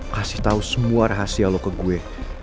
kasih tau semua rahasia lu ke gue